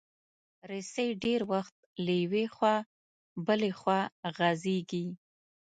رسۍ ډېر وخت له یوې خوا بله خوا غځېږي.